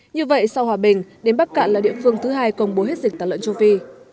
như vậy sau hòa bình đến bắc cạn là địa phương thứ hai công bố hết dịch tả lợn châu phi